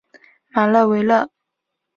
马勒维勒。